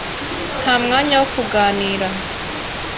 Nta mwanya wo kuganira.